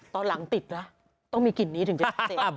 ตอนหลังติดแล้วต้องมีกลิ่นนี้ถึงจะเสร็จ